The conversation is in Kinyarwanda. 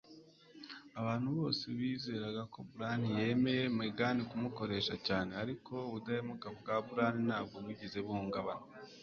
Abantu bose bizeraga ko Brandi yemereye Megan kumukoresha cyane, ariko ubudahemuka bwa Brandi ntabwo bwigeze buhungabana.